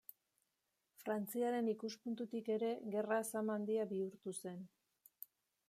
Frantziaren ikuspuntutik ere gerra zama handia bihurtu zen.